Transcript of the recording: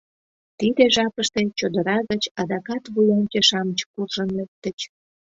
Тиде жапыште чодыра гыч адакат вуянче-шамыч куржын лектыч.